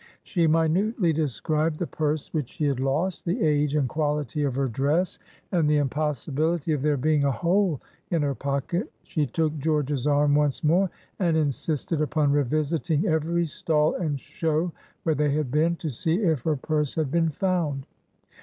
She minutely described the purse which she had lost, the age and quality of her dress, and the impossibility of there being a hole in her pocket. She took George's arm once more, and insisted upon revisiting every stall and show where they had been, to see if her purse had been found.